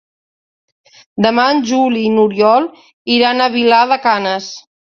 Demà en Juli i n'Oriol iran a Vilar de Canes.